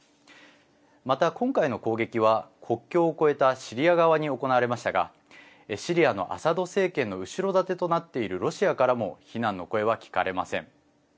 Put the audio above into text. また、今回の攻撃は国境を越えたシリア側に行われましたがシリアのアサド政権の後ろ盾となっているロシアからも非難の声は聞かれません。